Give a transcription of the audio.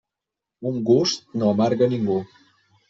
Un gust no amarga a ningú.